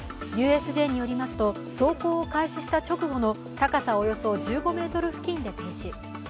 ＵＳＪによりますと、走行を開始した直後の高さおよそ１５ｍ付近で停止。